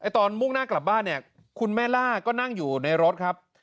ตอนมุ่งหน้ากลับบ้านเนี่ยคุณแม่ล่าก็นั่งอยู่ในรถครับ